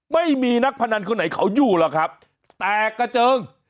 ไม่มีนักพนันคนไหนเขาอยู่หรอกครับแตกกระเจิง